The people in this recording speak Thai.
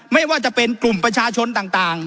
ไม่ว่าจะเป็นกลุ่มประชาชนต่าง